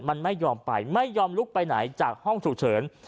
มันไม่ยอมไปไม่ยอมลุกไปไหนจากห้องฉุกเฉิน